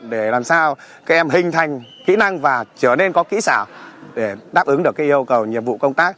để làm sao các em hình thành kỹ năng và trở nên có kỹ xảo để đáp ứng được yêu cầu nhiệm vụ công tác